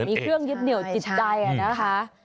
เหมือนมีเครื่องยิบเหนียวจิตใจอะนะคะ